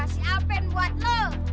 si alvin buat lo